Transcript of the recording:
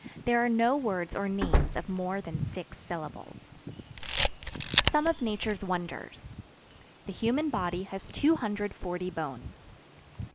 There are no words or names of more than six syllables. SOME OF NATURE'S WONDERS. The human body has 240 bones.